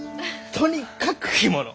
とにかく干物！